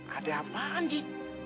ada apaan ji